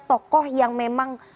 tokoh yang memang